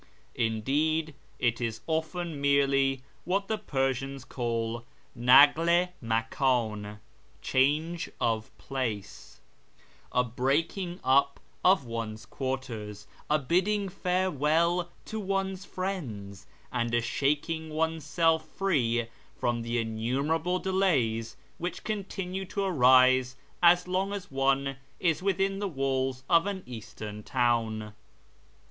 Indeed, it is often merely what the Persians call " JVakl i makdn " (change of place), a breaking up of one's quarters, a bidding farewell to one's friends, and a shaking one's self free from the innumerable delays which continue to arise so long as one is still within the walls of an Eastern town.